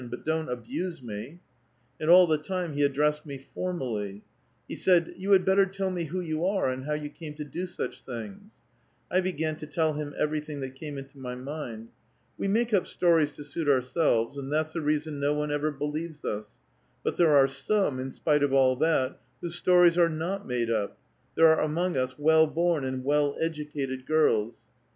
But don't abuse me.' And all the time he addressed me formally' [with vui,, you]. He said, ' You had better tell me who you are, and how you came to do such things.' I began to tell him everything that came into my mind. We make up stories to suit ourselves, and that's the reason no one ever believes us ; but there are some, in spite of all that, whose stories are not made up ; there are among us well born and well educated girls.